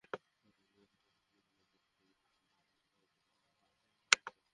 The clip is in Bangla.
আমাদের দেশকে নিরাপদ রাখার জন্য আমাদের প্রত্যেককে সতর্ক প্রহরার দায়িত্ব নিতে হবে।